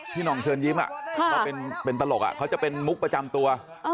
หน่องเชิญยิ้มเขาเป็นตลกเขาจะเป็นมุกประจำตัว